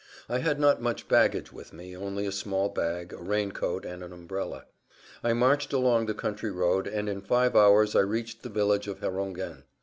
I had not much baggage with me, only a small bag, a raincoat and an umbrella. I marched along the country road and in five hours I reached the village of Herongen.